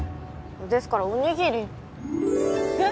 ですからおにぎりえっ？